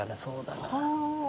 そうだな。